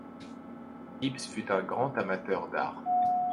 Gibbes fut un grand amateur d'art.